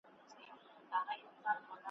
لکه نه وم په محفل کي نه نوبت را رسېدلی .